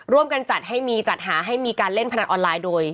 ร่วมกันจัดให้มีจัดหาให้มีการเล่นพนันออนไลน์โดย